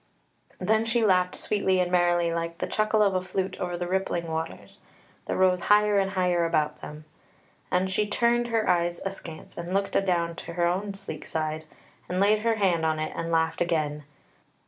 Then she laughed sweetly and merrily like the chuckle of a flute over the rippling waters, that rose higher and higher about them, and she turned her eyes askance and looked adown to her own sleek side, and laid her hand on it and laughed again.